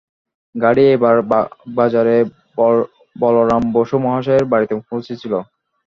গাড়ী এইবার বাগবাজারে বলরাম বসু মহাশয়ের বাড়ীতে পৌঁছিল।